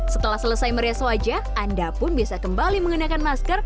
setelah selesai merias wajah anda pun bisa kembali mengenakan masker